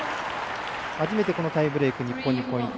初めて、このタイブレーク日本にポイント。